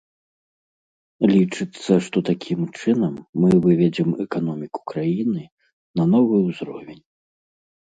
Лічыцца, што такім чынам мы выведзем эканоміку краіны на новы ўзровень.